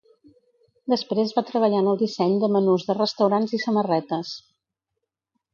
Després va treballar en el disseny de menús de restaurants i samarretes.